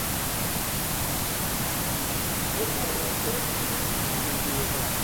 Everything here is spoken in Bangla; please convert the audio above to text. আমি চাই না তুই কোনো আমেরিকানকে বিয়ে কর।